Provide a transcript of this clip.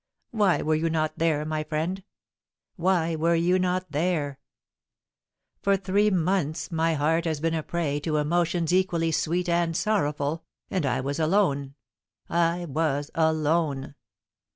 Why were you not there, my friend? Why were you not there? For three months my heart has been a prey to emotions equally sweet and sorrowful, and I was alone I was alone.